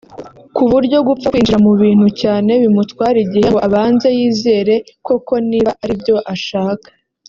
ku buryo gupfa kwinjira mu bintu cyane bimutwara igihe ngo abanze yizere koko niba aribyo ashaka